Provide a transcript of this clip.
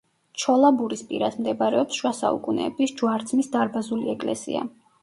ჩოლაბურის პირას მდებარეობს შუა საუკუნეების ჯვარცმის დარბაზული ეკლესია.